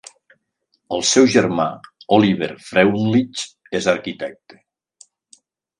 El seu germà, Oliver Freundlich, és arquitecte.